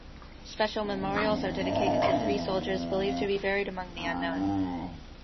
Special memorials are dedicated to three soldiers believed to be buried among the unknown.